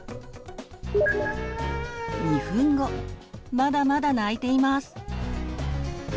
まだまだ泣いています。